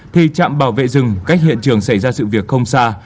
thì trạm bảo vệ rừng cách hiện trường xảy ra sự việc không xa